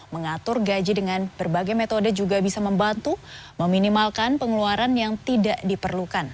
mengatur gaji dengan berbagai metode juga bisa membantu meminimalkan pengeluaran yang tidak diperlukan